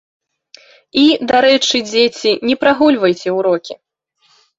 І, дарэчы, дзеці, не прагульвайце ўрокі!